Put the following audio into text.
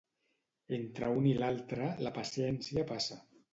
Entre un i l'altre, la paciència passa.